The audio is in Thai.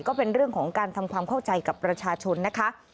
ก็เป็นเรื่องของการทำความเข้าใจกับประชาชนนะคะ